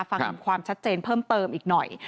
ฟังความชัดเจนเพิ่มเติมอีกหน่อย